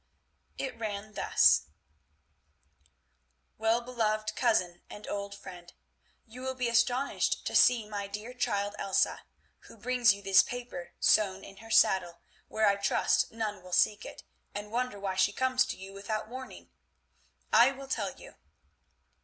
It ran thus: "Well beloved cousin and old friend, you will be astonished to see my dear child Elsa, who brings you this paper sewn in her saddle, where I trust none will seek it, and wonder why she comes to you without warning. I will tell you.